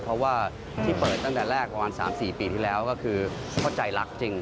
เพราะว่าที่เปิดตั้งแต่แรกประมาณ๓๔ปีที่แล้วก็คือเข้าใจหลักจริง